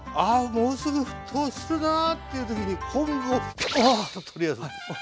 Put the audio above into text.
もうすぐ沸騰するなっていう時に昆布をあぁ！っと取り出す。